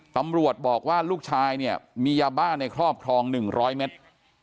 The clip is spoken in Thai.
ตำรวจบอกว่าลูกชายเนี่ยมียาบ้าในครอบครอง๑๐๐เมตร